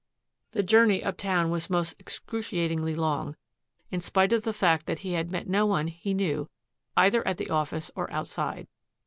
The journey uptown was most excruciatingly long, in spite of the fact that he had met no one he knew either at the office or outside.